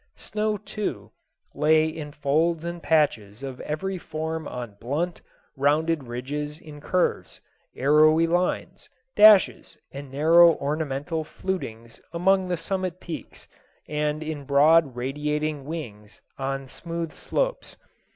Snow, too, lay in folds and patches of every form on blunt, rounded ridges in curves, arrowy lines, dashes, and narrow ornamental flutings among the summit peaks and in broad radiating wings on smooth slopes.